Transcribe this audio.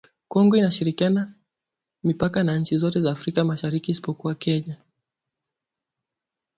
Kongo inashirikiana mipaka na nchi zote za Afrika Mashariki isipokuwa Kenya